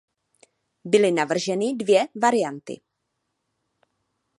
Byly navrženy dvě varianty.